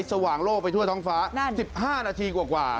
สว่างโลกไปทั่วท้องฟ้า๑๕นาทีกว่า